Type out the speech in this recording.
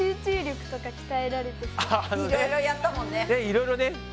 いろいろね。